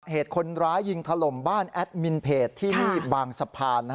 เหตุคนร้ายยิงถล่มบ้านแอดมินเพจที่นี่บางสะพาน